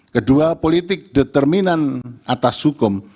kedua politik determinan atas hukum